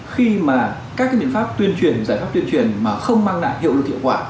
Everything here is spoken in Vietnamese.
khi mà các biện pháp tuyên truyền giải pháp tuyên truyền mà không mang lại hiệu lực hiệu quả